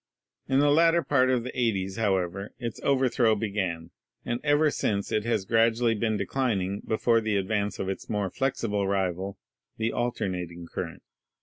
In the latter part of the 8o's, however, its overthrow began, and ever since it has gradually been declining before the advance of its more flexible rival — the alternating current.